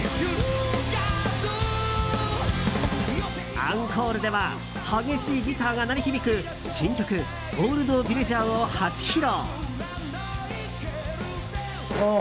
アンコールでは激しいギターが鳴り響く新曲「ＯＬＤＶＩＬＬＡＧＥＲ」を初披露。